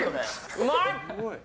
うまい。